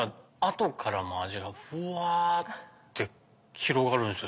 後からの味がフワって広がるんですよ